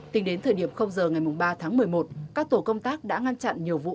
tính đến thời điểm giờ ngày ba tháng một mươi một các tổ công tác đã ngăn chặn nhiều vụ